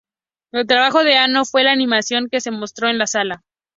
El trabajo de Anno fue la animación que se mostró en la sala.